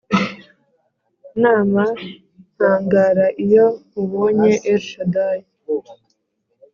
nama ntangara iyo nkubonye elshadai